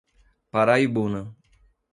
Paraibuna